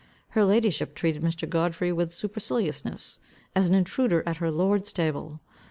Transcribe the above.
Her ladyship treated Mr. Godfrey with superciliousness, as an intruder at her lord's table.